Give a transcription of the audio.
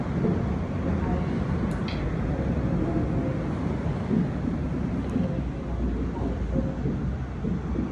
美花隔距兰为兰科隔距兰属下的一个种。